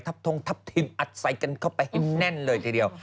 ทับทงทับทิมอัดใส่กันเข้าไปแน่นเลยเงี้ยเดียว